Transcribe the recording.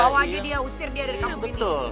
bawa aja dia usir dia dari kamp ini